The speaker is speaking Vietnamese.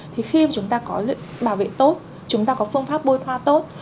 thì khi chúng ta có lượng bảo vệ tốt chúng ta có phương pháp bôi thoa tốt